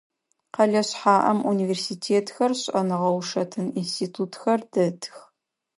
Къэлэ шъхьаӏэм университетхэр, шӏэныгъэ-ушэтын институтхэр дэтых.